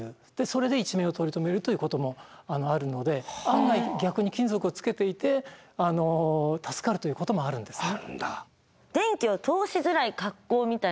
それで一命を取り留めるということもあるので案外逆に金属をつけていて助かるということもあるんですね。